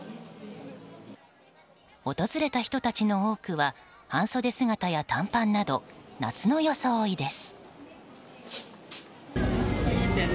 訪れた人たちの多くは半袖姿や短パンなど夏の装いです。